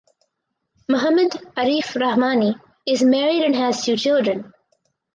Muhammad Arif Rahmani is married and has two children.